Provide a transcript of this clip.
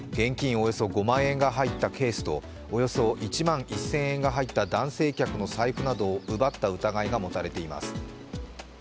およそ５万円が入ったケースとおよそ１万１０００円が入った男性客の財布などを奪った疑いが持たれています。